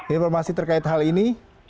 informasi terkait hal ini